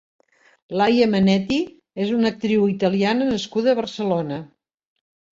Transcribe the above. Laia Manetti és una actriu italiana nascuda a Barcelona.